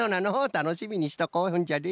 たのしみにしとこうそんじゃね。